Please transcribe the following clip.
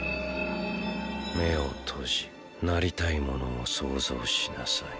目を閉じなりたいものを想像しなさい。